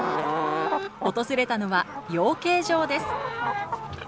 訪れたのは養鶏場です